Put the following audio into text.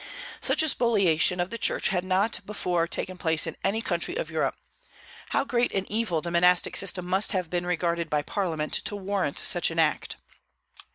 Such a spoliation of the Church had not before taken place in any country of Europe. How great an evil the monastic system must have been regarded by Parliament to warrant such an act!